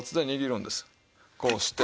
こうして。